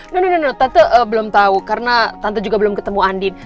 no no no tante belum tau karena tante juga belum ketemu andin